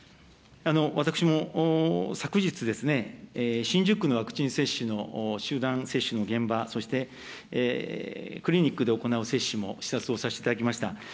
私も、昨日ですね、新宿区のワクチン接種の集団接種の現場、そしてクリニックで行う接種も視察をさせていただきました。